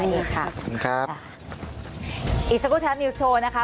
อีกสักครู่แท็บนิวส์โชว์นะคะ